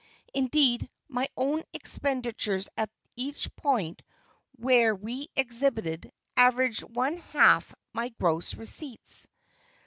Indeed, my own expenditures at each point where we exhibited, averaged one half my gross receipts.